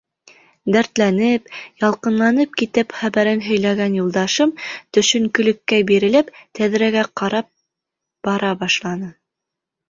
Дәртләнеп, ялҡынланып китеп хәбәрен һөйләгән юлдашым, төшөнкөлөккә бирелеп, тәҙрәгә ҡарап бара башланы.